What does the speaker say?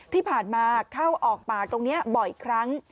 ที่ผ่านมาเข้าออกป่าตรงนี้บ่อยครั้ง